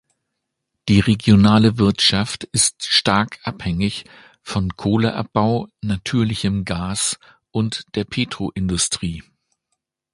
Die regionale Wirtschaft ist stark abhängig von Kohleabbau, natürlichem Gas und der Petro-Industrie.